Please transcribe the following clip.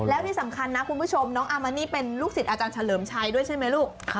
แล้วที่สำคัญนะคุณผู้ชมน้องอามานี่เป็นลูกศิษย์อาจารย์เฉลิมชัยด้วยใช่ไหมลูก